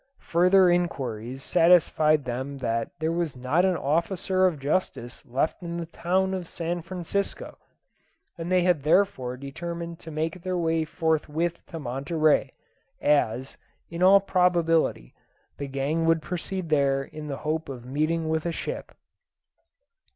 Further inquiries satisfied them that there was not an officer of justice left in the town of San Francisco, and they had therefore determined to make their way forthwith to Monterey, as, in all probability, the gang would proceed there in the hope of meeting with a ship.